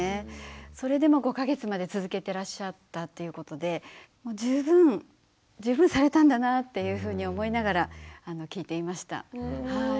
それでも５か月まで続けていらっしゃったということでもう十分十分されたんだなっていうふうに思いながら聞いていました。